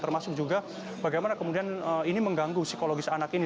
termasuk juga bagaimana kemudian ini mengganggu psikologis anak ini